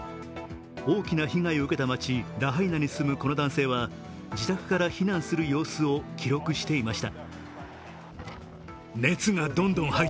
大きな被害を受けた街・ラハイナに住むこの男性は自宅から避難する様子を記録していました。